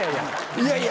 いやいや。